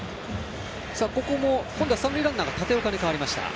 今度は三塁ランナーが立岡に変わりました。